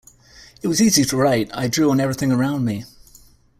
It was easy to write, I drew on everything around me.